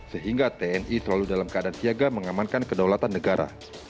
sehingga tni selalu dalam keadaan siaga mengamankan kedaulatan negara